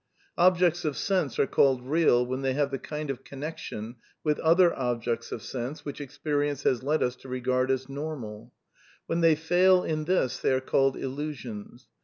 Objects of sense are caUed ^real' when they have the kind of connection with other objects of sense which ex perience has led us to regard as normal ; when th^ fail in this^ th^ are called illusions.